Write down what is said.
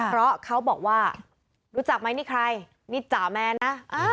เพราะเขาบอกว่ารู้จักไหมนี่ใครนี่จ่าแมนนะ